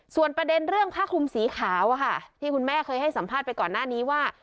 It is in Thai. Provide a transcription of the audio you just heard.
ส่วนประเด็นเรื่องผ้าคลุมสีขาวที่คุณแม่เคยให้สัมภาษณ์ไปก่อนหน้านี้ว่า